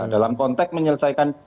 dalam konteks menyelesaikan